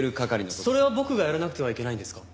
それは僕がやらなくてはいけないんですか？